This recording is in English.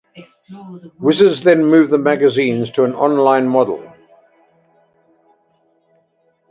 Wizards then moved the magazines to an online model.